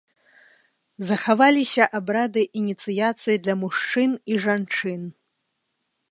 Захаваліся абрады ініцыяцыі для мужчын і жанчын.